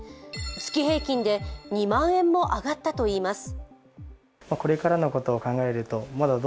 月平均で２万円も上がったといいます。